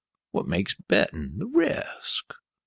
What makes bettin'? The resk.